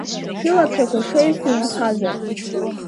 Шәылацәақәа шеиқәу инхазар.